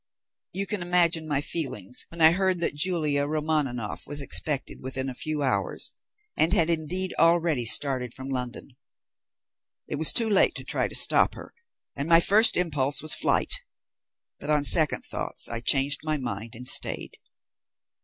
You can imagine my feelings when I heard that Julia Romaninov was expected within a few hours, and had indeed already started from London. It was too late to try and stop her, and my first impulse was flight. But on second thoughts I changed my mind, and stayed.